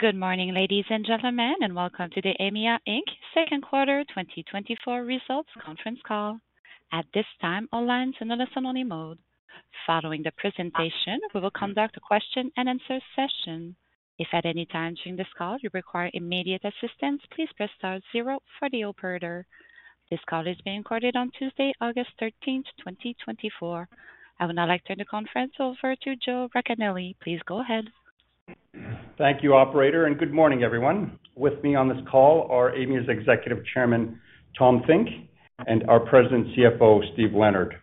Good morning, ladies and gentlemen, and welcome to the Aimia Inc second quarter 2024 results conference call. At this time, all lines in a listen-only mode. Following the presentation, we will conduct a question-and-answer session. If at any time during this call you require immediate assistance, please press star zero for the operator. This call is being recorded on Tuesday, August 13, 2024. I would now like to turn the conference over to Joe Racanelli. Please go ahead. Thank you, operator, and good morning, everyone. With me on this call are Aimia's Executive Chairman, Tom Finke, and our President and CFO, Steve Leonard.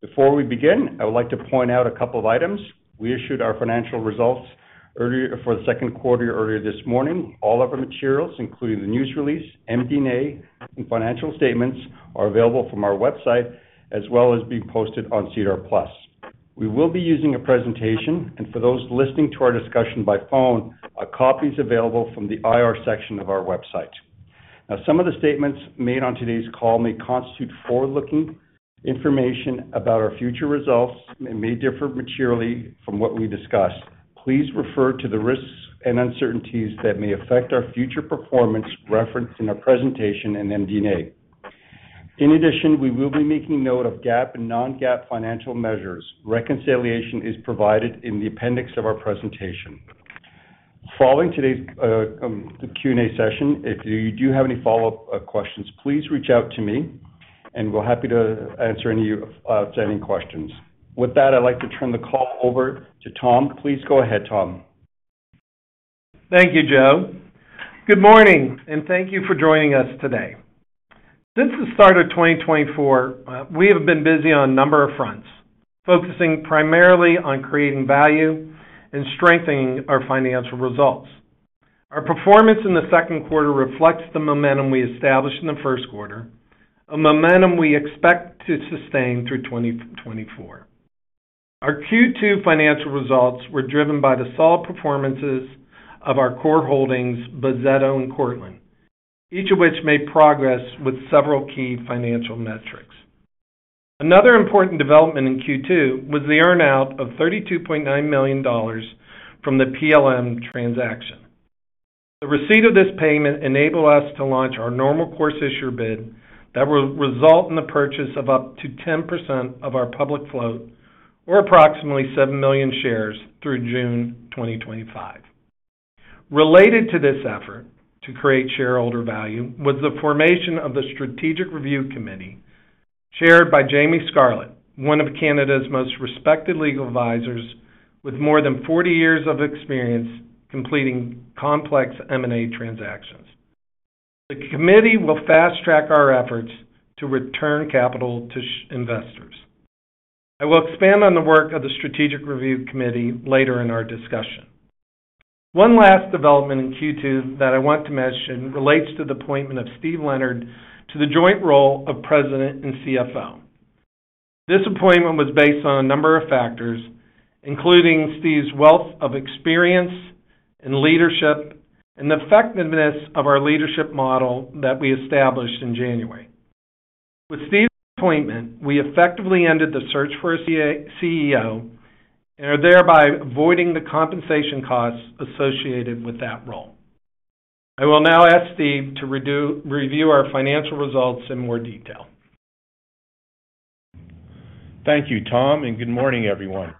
Before we begin, I would like to point out a couple of items. We issued our financial results earlier for the second quarter earlier this morning. All of our materials, including the news release, MD&A, and financial statements, are available from our website as well as being posted on SEDAR+. We will be using a presentation, and for those listening to our discussion by phone, a copy is available from the IR section of our website. Now, some of the statements made on today's call may constitute forward-looking information about our future results and may differ materially from what we discuss. Please refer to the risks and uncertainties that may affect our future performance referenced in our presentation in MD&A. In addition, we will be making note of GAAP and non-GAAP financial measures. Reconciliation is provided in the appendix of our presentation. Following today's, the Q&A session, if you do have any follow-up questions, please reach out to me and we're happy to answer any outstanding questions. With that, I'd like to turn the call over to Tom. Please go ahead, Tom. Thank you, Joe. Good morning, and thank you for joining us today. Since the start of 2024, we have been busy on a number of fronts, focusing primarily on creating value and strengthening our financial results. Our performance in the second quarter reflects the momentum we established in the first quarter, a momentum we expect to sustain through 2024. Our Q2 financial results were driven by the solid performances of our core Holdings, Bozzetto and Cortland, each of which made progress with several key financial metrics. Another important development in Q2 was the earn-out of $32.9 million from the PLM transaction. The receipt of this payment enable us to launch our normal course issuer bid that will result in the purchase of up to 10% of our public float, or approximately 7 million shares, through June 2025. Related to this effort to create shareholder value was the formation of the Strategic Review Committee, chaired by Jamie Scarlett, one of Canada's most respected legal advisors, with more than 40 years of experience completing complex M&A transactions. The committee will fast-track our efforts to return capital to shareholders. I will expand on the work of the Strategic Review Committee later in our discussion. One last development in Q2 that I want to mention relates to the appointment of Steve Leonard to the joint role of President and CFO. This appointment was based on a number of factors, including Steve's wealth of experience in leadership and the effectiveness of our leadership model that we established in January. With Steve's appointment, we effectively ended the search for a CEO and are thereby avoiding the compensation costs associated with that role. I will now ask Steve to review our financial results in more detail. Thank you, Tom, and good morning, everyone.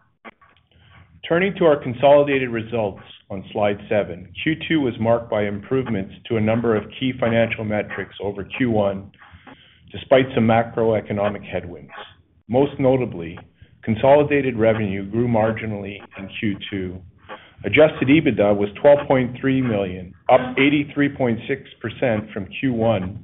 Turning to our consolidated results on slide 7, Q2 was marked by improvements to a number of key financial metrics over Q1, despite some macroeconomic headwinds. Most notably, consolidated revenue grew marginally in Q2. Adjusted EBITDA was 12.3 million, up 83.6% from Q1.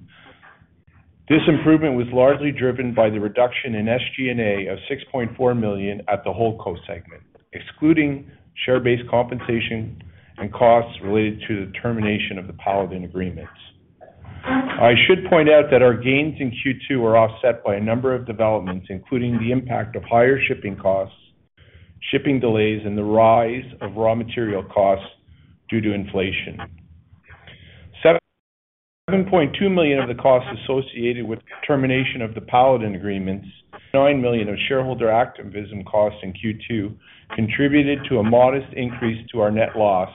This improvement was largely driven by the reduction in SG&A of 6.4 million at the Holdco segment, excluding share-based compensation and costs related to the termination of the Paladin agreements. I should point out that our gains in Q2 were offset by a number of developments, including the impact of higher shipping costs, shipping delays, and the rise of raw material costs due to inflation. 7.2 million of the costs associated with the termination of the Paladin agreements, 9 million of shareholder activism costs in Q2 contributed to a modest increase to our net loss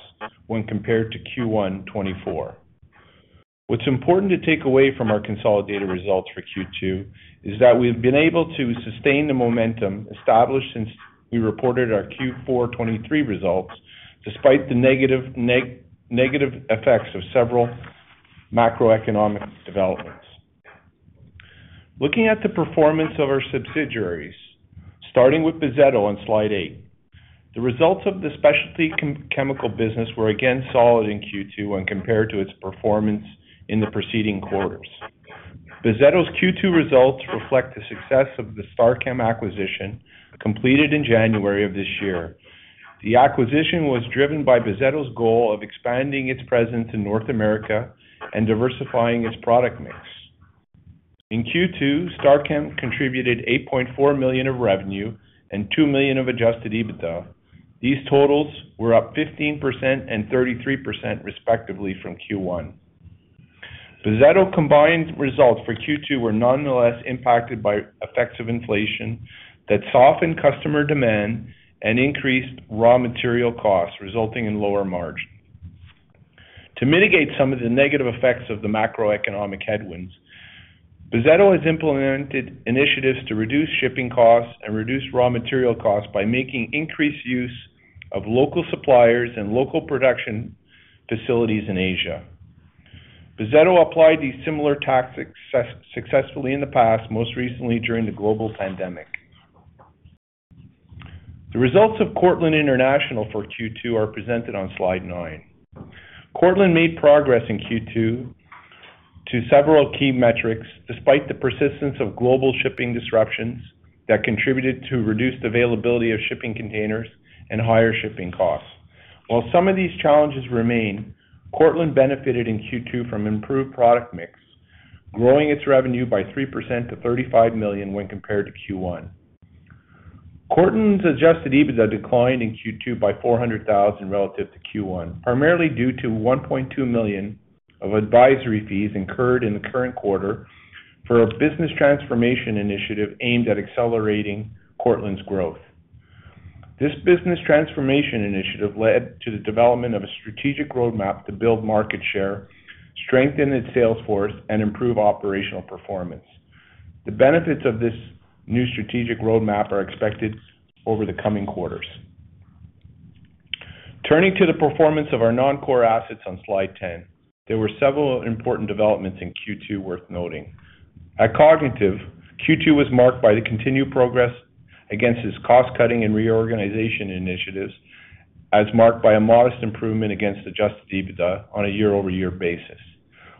when compared to Q1 2024. What's important to take away from our consolidated results for Q2 is that we've been able to sustain the momentum established since we reported our Q4 2023 results, despite the negative effects of several macroeconomic developments. Looking at the performance of our subsidiaries, starting with Bozzetto on slide eight, the results of the specialty chemical business were again solid in Q2 when compared to its performance in the preceding quarters. Bozzetto's Q2 results reflect the success of the StarChem acquisition, completed in January of this year. The acquisition was driven by Bozzetto's goal of expanding its presence in North America and diversifying its product mix. In Q2, StarChem contributed 8.4 million of revenue and 2 million of adjusted EBITDA. These totals were up 15% and 33%, respectively, from Q1. Bozzetto combined results for Q2 were nonetheless impacted by effects of inflation that softened customer demand and increased raw material costs, resulting in lower margin. To mitigate some of the negative effects of the macroeconomic headwinds, Bozzetto has implemented initiatives to reduce shipping costs and reduce raw material costs by making increased use of local suppliers and local production facilities in Asia. Bozzetto applied these similar tactics successfully in the past, most recently during the global pandemic. The results of Cortland International for Q2 are presented on slide 9. Cortland made progress in Q2 to several key metrics, despite the persistence of global shipping disruptions that contributed to reduced availability of shipping containers and higher shipping costs. While some of these challenges remain, Cortland benefited in Q2 from improved product mix, growing its revenue by 3% to 35 million when compared to Q1. Cortland's adjusted EBITDA declined in Q2 by 400,000 relative to Q1, primarily due to 1.2 million of advisory fees incurred in the current quarter for a business transformation initiative aimed at accelerating Cortland's growth. This business transformation initiative led to the development of a strategic roadmap to build market share, strengthen its sales force, and improve operational performance. The benefits of this new strategic roadmap are expected over the coming quarters. Turning to the performance of our non-core assets on slide 10, there were several important developments in Q2 worth noting. At Kognitiv, Q2 was marked by the continued progress against its cost-cutting and reorganization initiatives, as marked by a modest improvement against adjusted EBITDA on a year-over-year basis.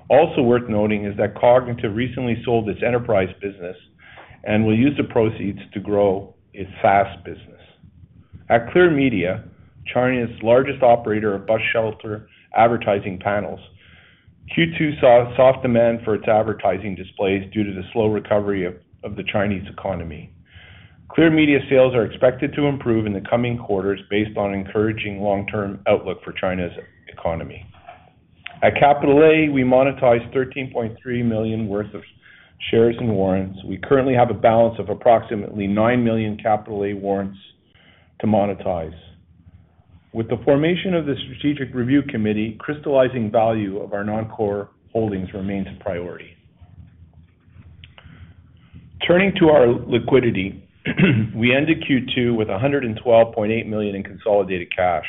Also worth noting is that Kognitiv recently sold its enterprise business and will use the proceeds to grow its SaaS business. At Clear Media, China's largest operator of bus shelter advertising panels, Q2 saw soft demand for its advertising displays due to the slow recovery of the Chinese economy. Clear Media sales are expected to improve in the coming quarters based on encouraging long-term outlook for China's economy. At Capital A, we monetized 13.3 million worth of shares and warrants. We currently have a balance of approximately 9 million Capital A warrants to monetize. With the formation of the Strategic Review Committee, crystallizing value of our non-core holdings remains a priority. Turning to our liquidity, we ended Q2 with 112.8 million in consolidated cash.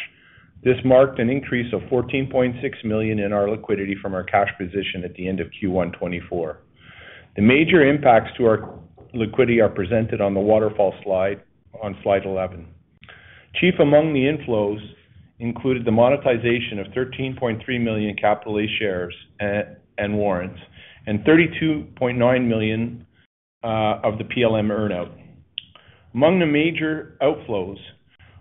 This marked an increase of 14.6 million in our liquidity from our cash position at the end of Q1 2024. The major impacts to our liquidity are presented on the waterfall slide on slide 11. Chief among the inflows included the monetization of 13.3 million Capital A shares and warrants, and 32.9 million of the PLM earn-out. Among the major outflows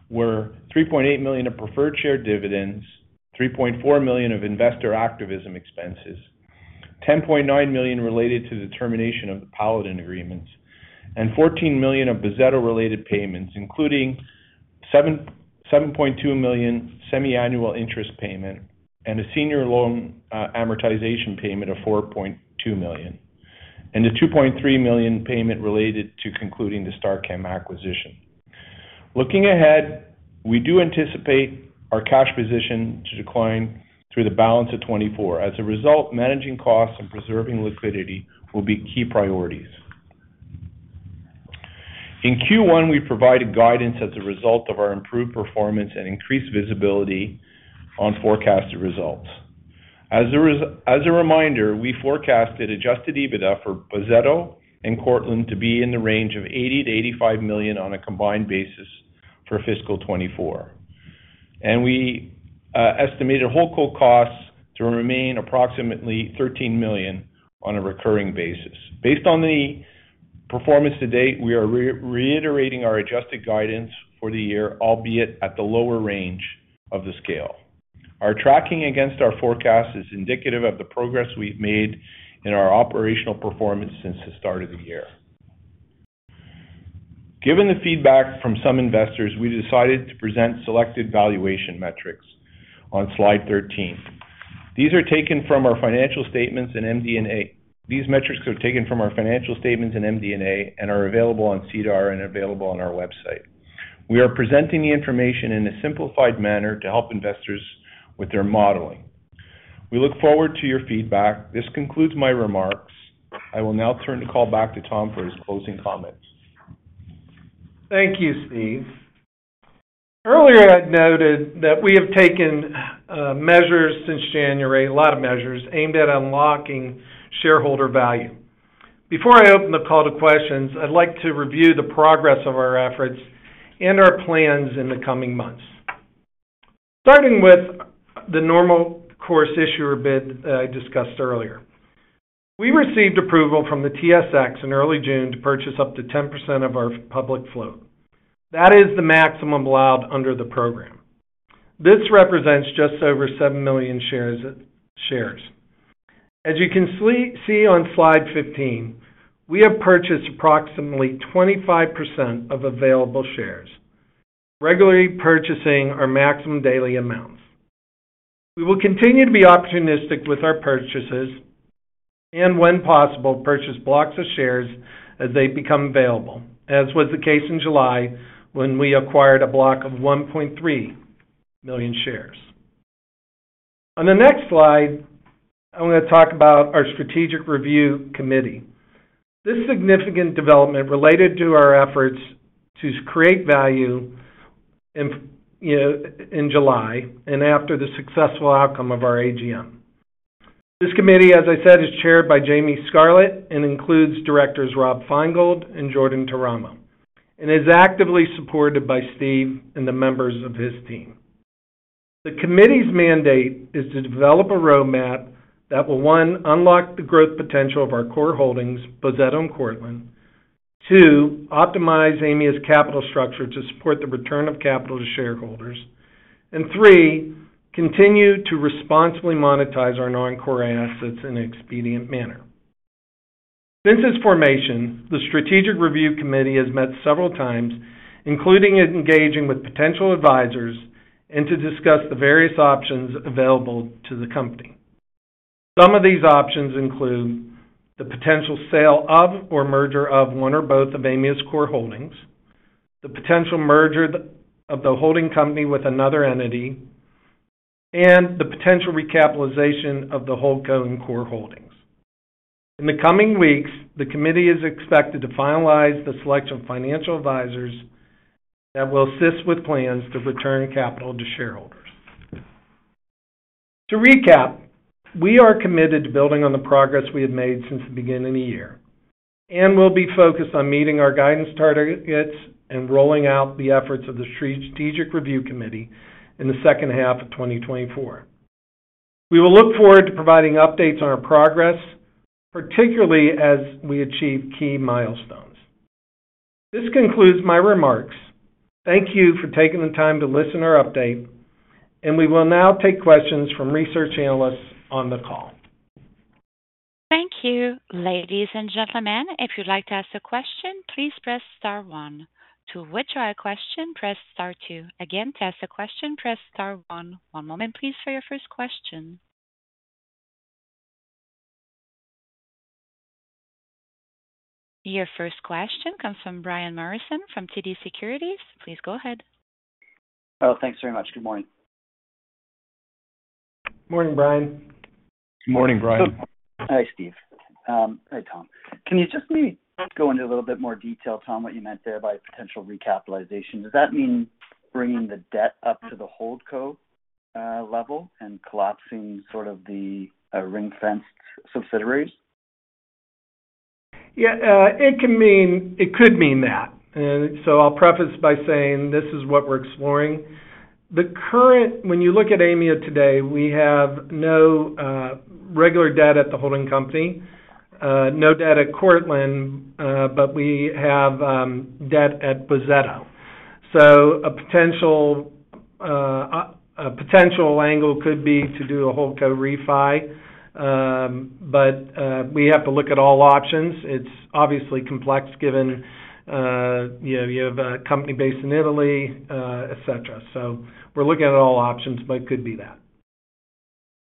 were 3.8 million of preferred share dividends, 3.4 million of investor activism expenses, 10.9 million related to the termination of the Paladin agreements, and 14 million of Bozzetto-related payments, including 7.2 million semiannual interest payment and a senior loan amortization payment of 4.2 million, and a 2.3 million payment related to concluding the StarChem acquisition. Looking ahead, we do anticipate our cash position to decline through the balance of 2024. As a result, managing costs and preserving liquidity will be key priorities. In Q1, we provided guidance as a result of our improved performance and increased visibility on forecasted results. As a reminder, we forecasted adjusted EBITDA for Bozzetto and Cortland to be in the range of 80 million-85 million on a combined basis for fiscal 2024, and we estimated Holdco costs to remain approximately 13 million on a recurring basis. Based on the performance to date, we are reiterating our adjusted guidance for the year, albeit at the lower range of the scale. Our tracking against our forecast is indicative of the progress we've made in our operational performance since the start of the year. Given the feedback from some investors, we decided to present selected valuation metrics on slide 13. These are taken from our financial statements in MD&A. These metrics are taken from our financial statements in MD&A and are available on SEDAR and available on our website. We are presenting the information in a simplified manner to help investors with their modeling. We look forward to your feedback. This concludes my remarks. I will now turn the call back to Tom for his closing comments. Thank you, Steve. Earlier, I'd noted that we have taken measures since January, a lot of measures, aimed at unlocking shareholder value. Before I open the call to questions, I'd like to review the progress of our efforts and our plans in the coming months. Starting with the normal course issuer bid I discussed earlier. We received approval from the TSX in early June to purchase up to 10% of our public float. That is the maximum allowed under the program. This represents just over 7 million shares. As you can see on slide 15, we have purchased approximately 25% of available shares, regularly purchasing our maximum daily amounts. We will continue to be opportunistic with our purchases, and when possible, purchase blocks of shares as they become available, as was the case in July, when we acquired a block of 1.3 million shares. On the next slide, I'm going to talk about our Strategic Review Committee. This significant development related to our efforts to create value in, you know, in July and after the successful outcome of our AGM. This committee, as I said, is chaired by Jamie Scarlett and includes directors Rob Feingold and Jordan Teramo, and is actively supported by Steve and the members of his team. The committee's mandate is to develop a roadmap that will, one, unlock the growth potential of our core Holdings, Bozzetto and Cortland. Two, optimize Aimia's capital structure to support the return of capital to shareholders. And three, continue to responsibly monetize our non-core assets in an expedient manner. Since its formation, the Strategic Review Committee has met several times, including engaging with potential advisors, and to discuss the various options available to the company. Some of these options include the potential sale of or merger of one or both of Aimia's core holdings, the potential merger of the holding company with another entity, and the potential recapitalization of the Holdco and core holdings. In the coming weeks, the committee is expected to finalize the selection of financial advisors that will assist with plans to return capital to shareholders. To recap, we are committed to building on the progress we have made since the beginning of the year, and we'll be focused on meeting our guidance targets and rolling out the efforts of the Strategic Review Committee in the second half of 2024. We will look forward to providing updates on our progress, particularly as we achieve key milestones. This concludes my remarks. Thank you for taking the time to listen to our update, and we will now take questions from research analysts on the call. Thank you. Ladies and gentlemen, if you'd like to ask a question, please press star one. To withdraw a question, press star two. Again, to ask a question, press star one. One moment, please, for your first question. Your first question comes from Brian Morrison from TD Securities. Please go ahead. Oh, thanks very much. Good morning. Morning, Brian. Good morning, Brian. Hi, Steve. Hi, Tom. Can you just maybe go into a little bit more detail, Tom, what you meant there by potential recapitalization? Does that mean bringing the debt up to the Holdco level and collapsing sort of the ring-fenced subsidiaries? Yeah, it can mean... It could mean that. So I'll preface by saying this is what we're exploring. When you look at Aimia today, we have no regular debt at the holding company, no debt at Cortland, but we have debt at Bozzetto. So a potential angle could be to do a Holdco refi, but we have to look at all options. It's obviously complex, given you know, you have a company based in Italy, et cetera. So we're looking at all options, but it could be that.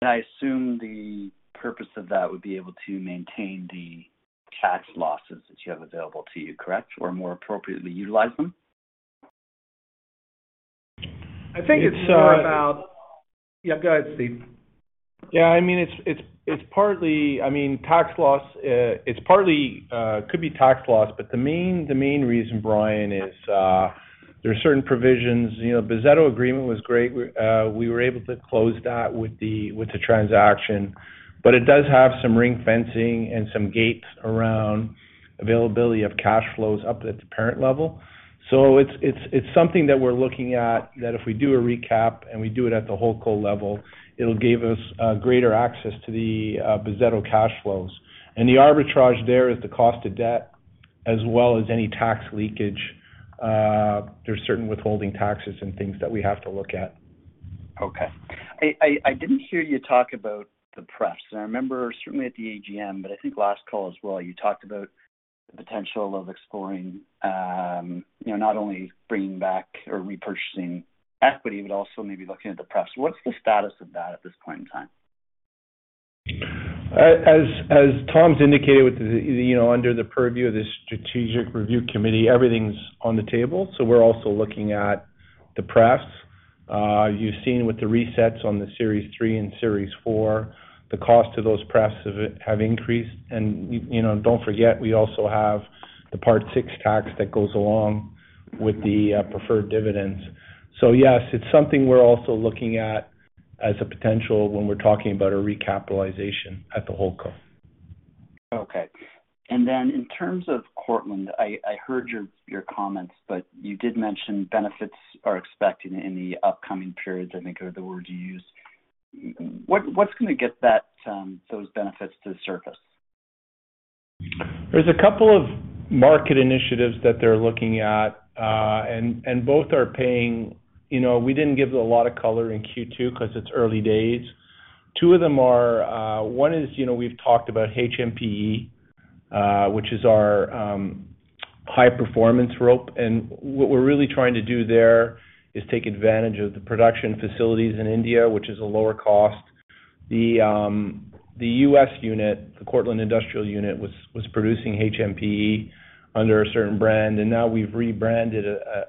I assume the purpose of that would be able to maintain the tax losses that you have available to you, correct? Or more appropriately, utilize them. I think it's more about- Yeah, go ahead, Steve. Yeah, I mean, it's partly, I mean, tax loss, it's partly could be tax loss, but the main reason, Brian, is there are certain provisions. You know, Bozzetto agreement was great. We were able to close that with the transaction, but it does have some ring fencing and some gates around availability of cash flows up at the parent level. So it's something that we're looking at, that if we do a recap and we do it at the Holdco level, it'll give us greater access to the Bozzetto cash flows. And the arbitrage there is the cost of debt as well as any tax leakage. There's certain withholding taxes and things that we have to look at. Okay. I didn't hear you talk about the prefs, and I remember certainly at the AGM, but I think last call as well, you talked about the potential of exploring, you know, not only bringing back or repurchasing equity, but also maybe looking at the prefs. What's the status of that at this point in time? As Tom's indicated, with the, you know, under the purview of the Strategic Review Committee, everything's on the table, so we're also looking at the prefs. You've seen with the resets on the Series 3 and Series 4, the cost of those prefs have increased. And, you know, don't forget, we also have the Part VI tax that goes along with the preferred dividends. So yes, it's something we're also looking at as a potential when we're talking about a recapitalization at the Holdco. Okay. And then in terms of Cortland, I heard your comments, but you did mention benefits are expected in the upcoming periods, I think are the words you used. What's going to get those benefits to the surface? There's a couple of market initiatives that they're looking at, and both are paying. You know, we didn't give a lot of color in Q2 because it's early days. Two of them are, one is, you know, we've talked about HMPE, which is our high-performance rope. And what we're really trying to do there is take advantage of the production facilities in India, which is a lower cost. The U.S. unit, the Cortland International unit, was producing HMPE under a certain brand, and now we've rebranded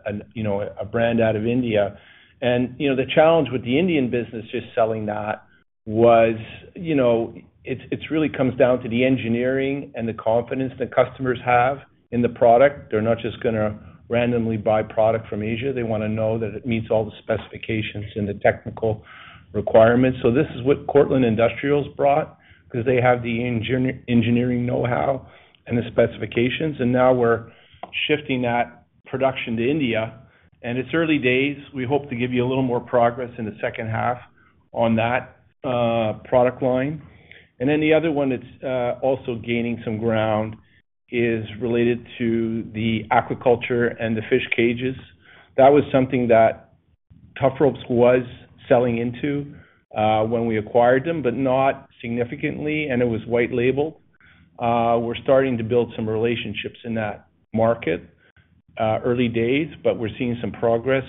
an, you know, a brand out of India. And, you know, the challenge with the Indian business just selling that was, you know, it's really comes down to the engineering and the confidence that customers have in the product. They're not just gonna randomly buy product from Asia. They wanna know that it meets all the specifications and the technical requirements. So this is what Cortland International's brought, 'cause they have the engineering know-how and the specifications, and now we're shifting that production to India. It's early days. We hope to give you a little more progress in the second half on that product line. And then the other one that's also gaining some ground is related to the aquaculture and the fish cages. That was something that Tufropes was selling into when we acquired them, but not significantly, and it was white label. We're starting to build some relationships in that market. Early days, but we're seeing some progress.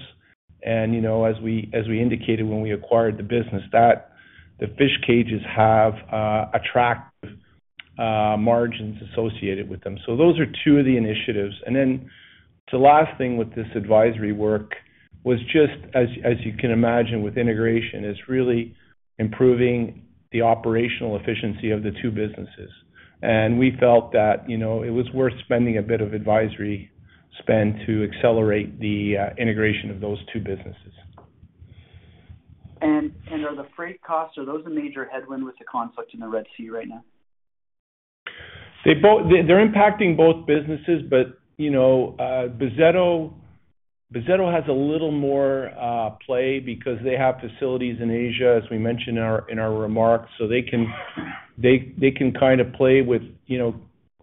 And, you know, as we, as we indicated when we acquired the business, that the fish cages have attractive margins associated with them. So those are two of the initiatives. And then the last thing with this advisory work was just, as you can imagine, with integration, really improving the operational efficiency of the two businesses. And we felt that, you know, it was worth spending a bit of advisory spend to accelerate the integration of those two businesses. Are the freight costs, are those a major headwind with the conflict in the Red Sea right now? They're impacting both businesses, but, you know, Bozzetto has a little more play because they have facilities in Asia, as we mentioned in our remarks. So they can kind of play with, you know,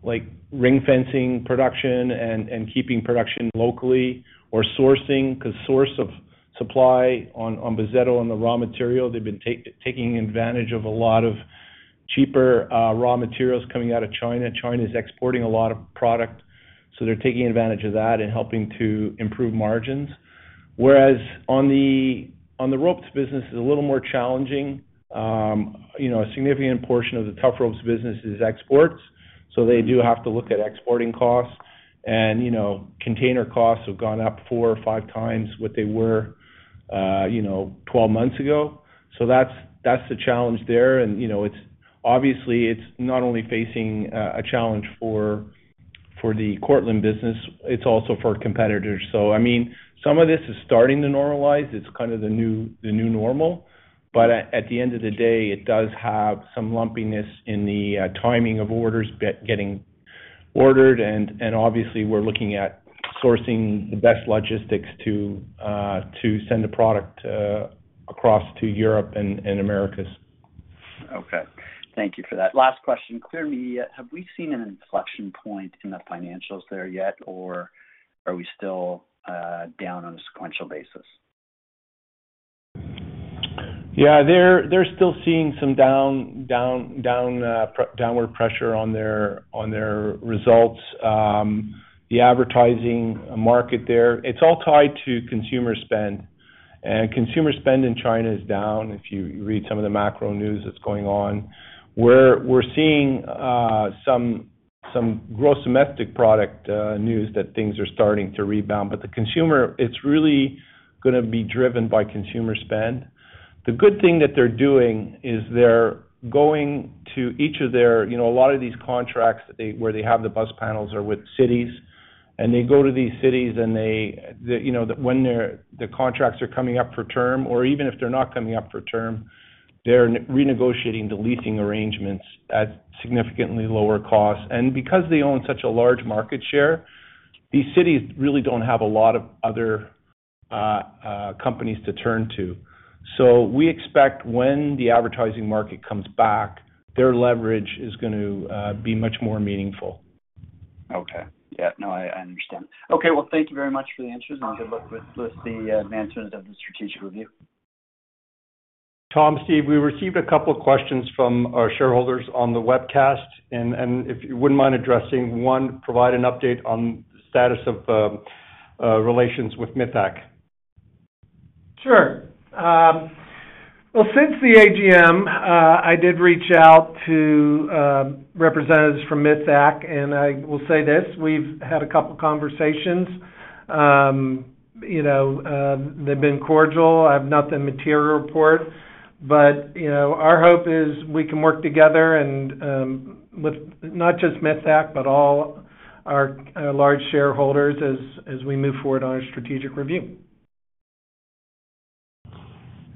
like, ring fencing production and keeping production locally or sourcing, 'cause source of supply on Bozzetto on the raw material, they've been taking advantage of a lot of cheaper raw materials coming out of China. China is exporting a lot of product, so they're taking advantage of that and helping to improve margins. Whereas on the ropes business, it's a little more challenging. You know, a significant portion of the Tufropes business is exports, so they do have to look at exporting costs, and, you know, container costs have gone up 4x or 5x what they were, you know, 12 months ago. So that's the challenge there. And, you know, it's obviously not only facing a challenge for the Cortland business, it's also for competitors. So I mean, some of this is starting to normalize. It's kind of the new normal. But at the end of the day, it does have some lumpiness in the timing of orders getting ordered, and obviously, we're looking at sourcing the best logistics to send a product across to Europe and Americas. Okay. Thank you for that. Last question: Clear Media, have we seen an inflection point in the financials there yet, or are we still down on a sequential basis? Yeah, they're still seeing some downward pressure on their results. The advertising market there, it's all tied to consumer spend, and consumer spend in China is down, if you read some of the macro news that's going on. We're seeing some gross domestic product news that things are starting to rebound, but the consumer, it's really gonna be driven by consumer spend. The good thing that they're doing is they're going to each of their... You know, a lot of these contracts that they, where they have the bus panels, are with cities. They go to these cities and they, you know, when their contracts are coming up for term or even if they're not coming up for term, they're renegotiating the leasing arrangements at significantly lower costs. Because they own such a large market share, these cities really don't have a lot of other companies to turn to. So we expect when the advertising market comes back, their leverage is going to be much more meaningful. Okay. Yeah, no, I, I understand. Okay, well, thank you very much for the answers, and good luck with, with the advancements of the Strategic Review. Tom, Steve, we received a couple of questions from our shareholders on the webcast, and if you wouldn't mind addressing one, provide an update on the status of relations with Mithaq. Sure. Well, since the AGM, I did reach out to representatives from Mithaq, and I will say this: We've had a couple conversations. You know, they've been cordial. I have nothing material to report. But, you know, our hope is we can work together and with not just Mithaq, but all our large shareholders as we move forward on our Strategic Review.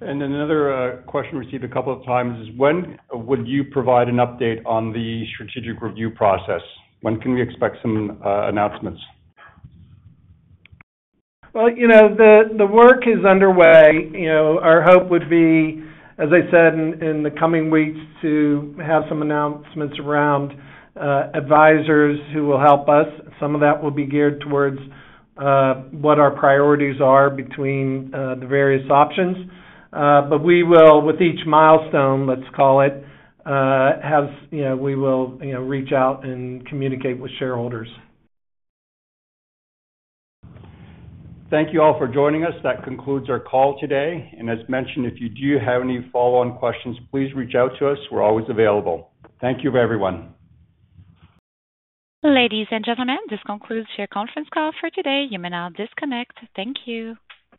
Another question received a couple of times is: When would you provide an update on the Strategic Review process? When can we expect some announcements? Well, you know, the work is underway. You know, our hope would be, as I said, in the coming weeks, to have some announcements around advisors who will help us. Some of that will be geared towards what our priorities are between the various options. But we will, with each milestone, let's call it, have, you know, we will, you know, reach out and communicate with shareholders. Thank you all for joining us. That concludes our call today. As mentioned, if you do have any follow-on questions, please reach out to us. We're always available. Thank you, everyone. Ladies and gentlemen, this concludes your conference call for today. You may now disconnect. Thank you.